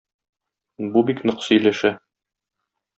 Бу бик нык сөйләшә.